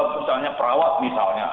misalnya perawat misalnya